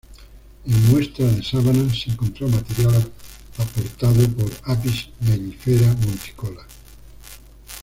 En muestras de sabana se encontró material aportado por "Apis mellifera monticola".